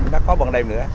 đã có bằng đêm nữa